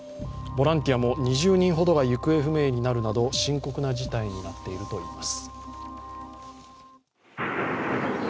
ボランティアも２０人ほどが行方不明になるなど深刻な事態になっているといいます。